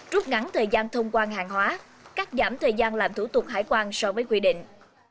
rút ngắn thời gian thông quan hàng hóa cắt giảm thời gian làm thủ tục hải quan so với quy định